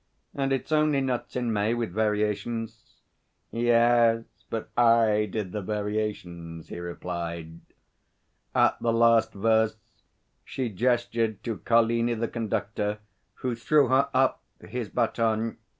'And it's only "Nuts in May," with variations.' 'Yes but I did the variations,' he replied. At the last verse she gestured to Carlini the conductor, who threw her up his baton.